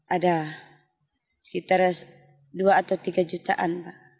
ada sekitar dua atau tiga jutaan